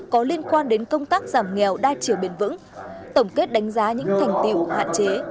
có liên quan đến công tác giảm nghèo đa chiều bền vững tổng kết đánh giá những thành tiệu hạn chế